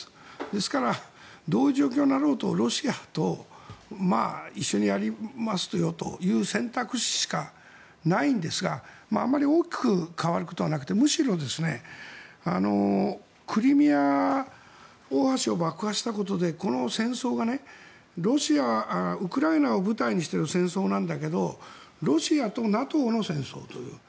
ですからどういう状況になろうとロシアと一緒にやりますという選択肢しかないんですがあまり大きく変わることはなくてむしろクリミア大橋を爆破したことでこの戦争がウクライナを舞台にしての戦争なんだけどロシアとＮＡＴＯの戦争という。